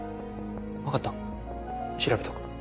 分かった調べておく。